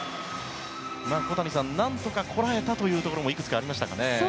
小谷さん何とかこらえたというところもいくつかありましたかね。